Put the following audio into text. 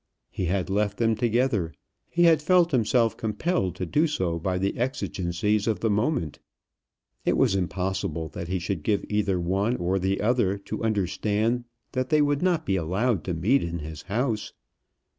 He had left them together. He had felt himself compelled to do so by the exigencies of the moment. It was impossible that he should give either one or the other to understand that they would not be allowed to meet in his house.